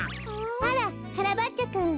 あらカラバッチョくん。